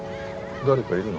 誰かいるの？